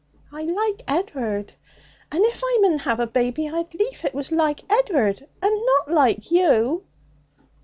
I like Ed'ard. And if I mun have a baby, I'd lief it was like Ed'ard, and not like you.'